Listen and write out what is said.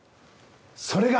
それが！